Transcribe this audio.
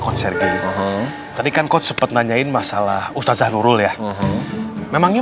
coach sergiev tadi coach sempet nanyain masalah ustadzah nurrul ya memangnya